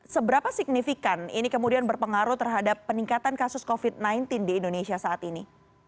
seberapa signifikan ini kemudian berpengaruh terhadap peningkatan kasus covid sembilan belas di indonesia saat ini